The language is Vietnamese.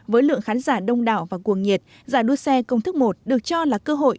với lượng khán giả đông đảo và cuồng nhiệt giải đua xe công thức một được cho là cơ hội